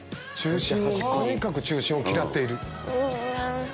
とにかく中心を嫌ってる。